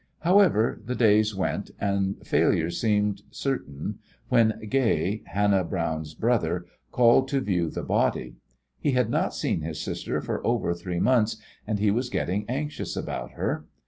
However, the days went, and failure seemed certain when Gay, Hannah Browne's brother, called to view the body. He had not seen his sister for over three months, and he was getting anxious about her.